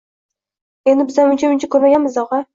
Endi bizam uncha-buncha ko‘rganmiz-da, og‘a!